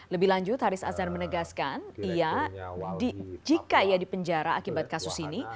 lebih lanjut haris azhar menegaskan jika ia dipenjara akibat kasus ini